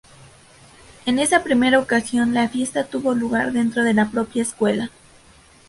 En esa primera ocasión, la fiesta tuvo lugar dentro de la propia Escuela.